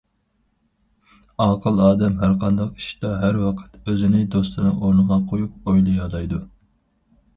ئاقىل ئادەم ھەر قانداق ئىشتا، ھەر ۋاقىت ئۆزىنى دوستىنىڭ ئورنىغا قويۇپ ئويلىيالايدۇ.